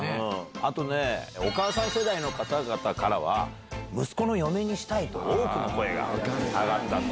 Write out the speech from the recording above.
あとね、お母さん世代の方々からは、息子の嫁にしたいと、多くの声が上がったと。